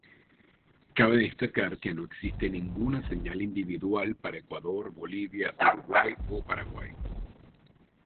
Cabe destacar que no existe ninguna señal individual para Ecuador, Bolivia, Uruguay o Paraguay.